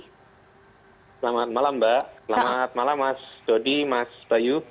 selamat malam mbak selamat malam mas dodi mas bayu